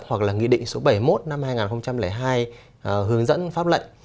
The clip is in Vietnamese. hoặc là nghị định số bảy mươi một năm hai nghìn hai hướng dẫn pháp lệnh